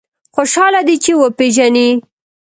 خوشاله دی چې وپېژني.